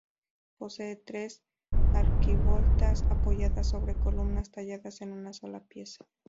Posee tres arquivoltas apoyadas sobre columnas talladas en una sola pieza.